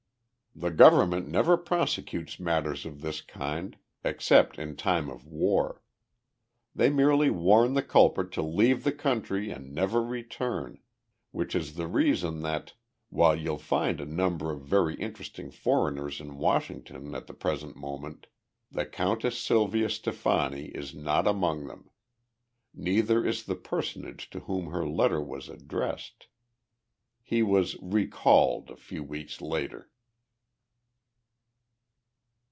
The government never prosecutes matters of this kind, except in time of war. They merely warn the culprit to leave the country and never return which is the reason that, while you'll find a number of very interesting foreigners in Washington at the present moment, the Countess Sylvia Stefani is not among them. Neither is the personage to whom her letter was addressed. He was 'recalled' a few weeks later."